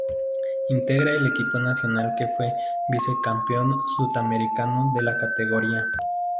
Integra el equipo Nacional que fue Vice Campeón Sud Americano de la categoría.